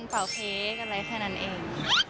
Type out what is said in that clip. เป่าเค้กอะไรแค่นั้นเอง